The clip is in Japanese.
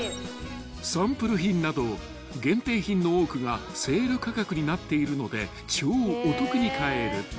［サンプル品など限定品の多くがセール価格になっているので超お得に買える］